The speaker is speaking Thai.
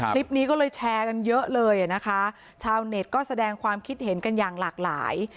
คลิปนี้ก็เลยแชร์กันเยอะเลยอ่ะนะคะชาวเน็ตก็แสดงความคิดเห็นกันอย่างหลากหลาย